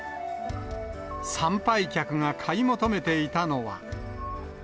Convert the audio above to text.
参拝客が買い求めていたのは。